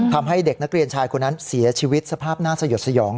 ทำให้เด็กนักเรียนชายคนนั้นเสียชีวิตสภาพน่าสยดสยอง